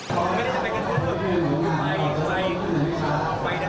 แคล็ดเอกเพราะว่าเขาไม่คุย